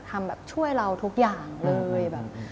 ทำแบบช่วยเราทุกอย่างเลยแบบ